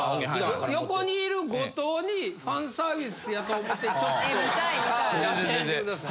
横にいる後藤にファンサービスやと思ってちょっとやってみてください。